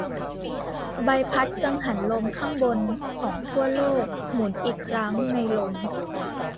ใบพัดกังหันลมข้างบนของขั้วโลกหมุนอีกครั้งในลม